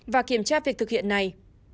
và kiểm tra việc thực hiện này